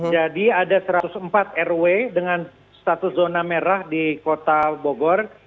jadi ada satu ratus empat rw dengan status zona merah di kota bogor